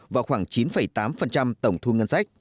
vào khoảng chín tám tổng thu ngân sách